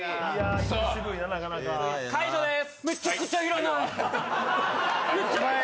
解除です。